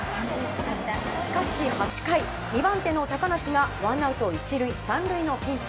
しかし、８回２番手の高梨がワンアウト１塁３塁のピンチ。